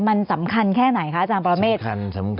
มันสำคัญแค่ไหนคะอาจารย์ปรเมฆ